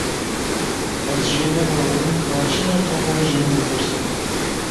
Ez jê nebawerim ka çima Tom wê ji min dipirse.